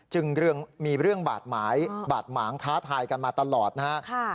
จึงมีเรื่องบาดหมายบาดหมางท้าทายกันมาตลอดนะฮะ